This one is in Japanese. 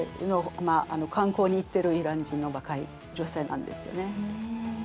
観光に行ってるイラン人の若い女性なんですよね。